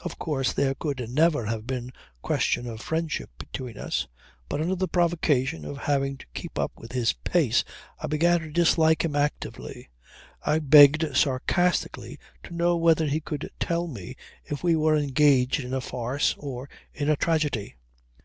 Of course there could never have been question of friendship between us; but under the provocation of having to keep up with his pace I began to dislike him actively. I begged sarcastically to know whether he could tell me if we were engaged in a farce or in a tragedy.